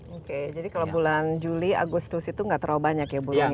oke jadi kalau bulan juli agustus itu nggak terlalu banyak ya bulannya